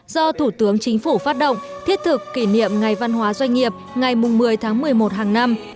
do thủ tướng chính phủ phát động thiết thực kỷ niệm ngày văn hóa doanh nghiệp ngày một mươi tháng một mươi một hàng năm